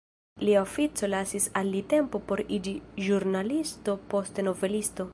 Lia ofico lasis al li tempon por iĝi ĵurnalisto poste novelisto.